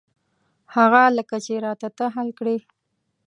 هغه لکه چې را ته ته حل کړې.